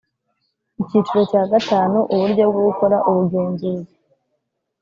Icyiciro cya gatanu Uburyo bwo gukora ubugenzuzi